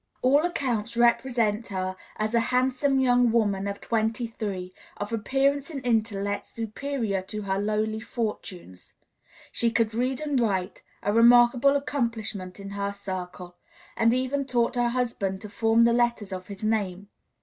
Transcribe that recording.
All accounts represent her as a handsome young woman of twenty three, of appearance and intellect superior to her lowly fortunes. She could read and write, a remarkable accomplishment in her circle, and even taught her husband to form the letters of his name.